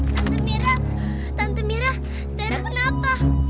tante mira tante mira zaira kenapa